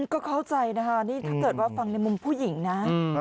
ก็เข้าใจนะคะนี่ถ้าเกิดว่าฟังในมุมผู้หญิงนะ